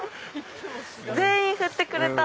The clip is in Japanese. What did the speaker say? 全員振ってくれた。